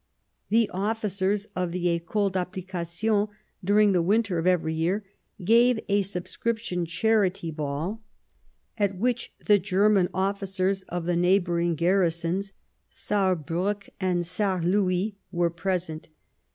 The officers of the Ecole d' Application, during the winter of every year, gave a subscription Charity Ball, at which the German officers of the neigh bouring garrisons, Saarbruck and Saarlouis, were present.